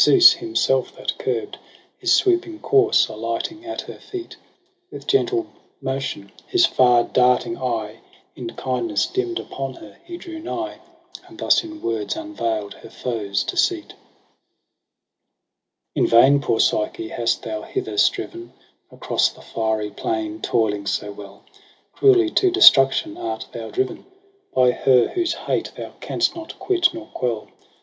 Zeus, himself that curb'd His swooping course, alighting at her feet ; With motion gentle, his far darting eye In kindness dim'd upon her, he drew nigh, And thus in words, unveil'd her foe's deceit :' In vain, poor Psyche, hast thou hither striven Across the fiery plain toiling so well j Cruelly to destruction art thou driven By her, whose hate thou canst not quit nor quell.